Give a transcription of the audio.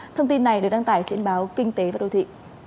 thông tin này được đăng tải trên báo kinh tế và đô thị